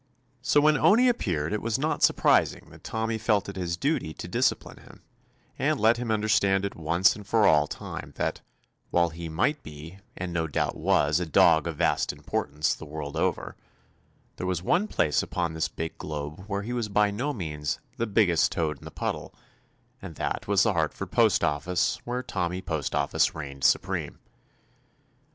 So when Owney appeared it was not surprising that Tommy felt it his duty to discipline him, and let him understand at once and for all time, that, while he might be, and no doubt was, a dog of vast importance the world over, there was one place upon this big globe where he was by no means "the biggest toad in the puddle," and that was the Hartford postoffice, where Tommy Postoffice reigned supreme.